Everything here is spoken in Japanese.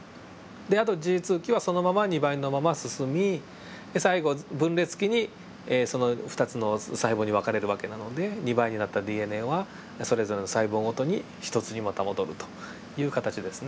であとＧ期はそのまま２倍のまま進み最後分裂期にその２つの細胞に分かれる訳なので２倍になったＤＮＡはそれぞれの細胞ごとに１つにまた戻るという形ですね。